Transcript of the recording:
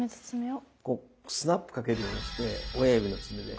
こうスナップかけるようにして親指の爪で。